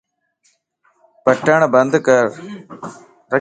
بٽڻ بند کر